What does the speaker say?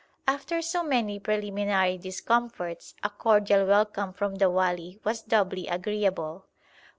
After so many preliminary discomforts a cordial welcome from the wali was doubly agreeable.